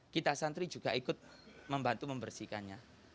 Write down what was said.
kita santri juga ikut membantu membersihkannya